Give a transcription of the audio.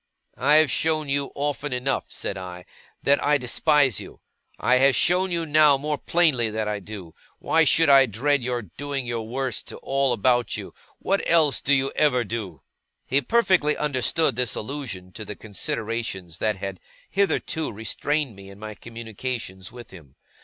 'I have shown you often enough,' said I, 'that I despise you. I have shown you now, more plainly, that I do. Why should I dread your doing your worst to all about you? What else do you ever do?' He perfectly understood this allusion to the considerations that had hitherto restrained me in my communications with him.